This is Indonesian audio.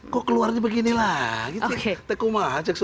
kok keluarnya begini lah